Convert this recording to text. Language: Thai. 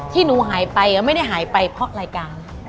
ที่หนูหายไปไม่ได้หายไปเพราะรายการ